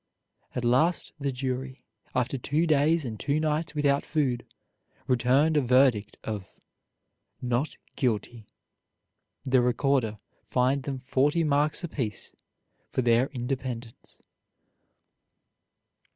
At last the jury, after two days and two nights without food, returned a verdict of "Not guilty." The recorder fined them forty marks apiece for their independence.